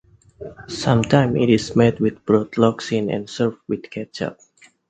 Sometimes it is made with broad lokshen and served with ketchup.